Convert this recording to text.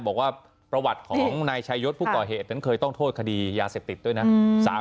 บอกว่าประวัติของนายชายศผู้ก่อเหตุนั้นเคยต้องโทษคดียาเสพติดด้วยนะ